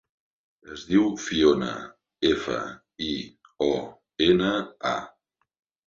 Es diu Fiona: efa, i, o, ena, a.